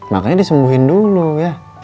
makanya disembuhin dulu ya